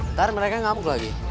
ntar mereka ngamuk lagi